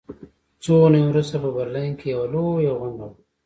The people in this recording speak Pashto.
څو اونۍ وروسته په برلین کې یوه لویه غونډه وه